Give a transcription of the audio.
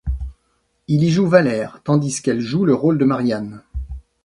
Il y joue Valère tandis qu'elle joue le rôle de Marianne.